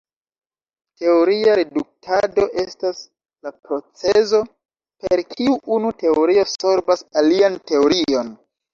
Teoria reduktado estas la procezo per kiu unu teorio sorbas alian teorion.